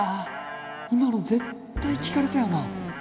今の絶対聞かれたよな。